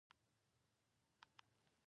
ملی په ځمکه کې وده کوي